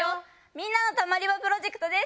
みんなのたまり場プロジェクトです。